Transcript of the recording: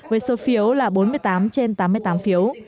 với số phiếu là bốn mươi tám trên tám mươi tám phiếu